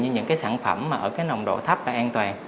ví dụ như những sản phẩm ở nồng độ thấp và an toàn